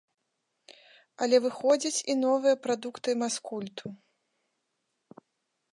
Але выходзяць і новыя прадукты маскульту.